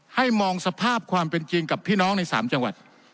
มองสภาพความเป็นจริงกับพี่น้องใน๓จังหวัด